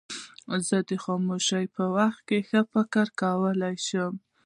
زه د خاموشۍ په وخت کې ښه فکر کولای شم.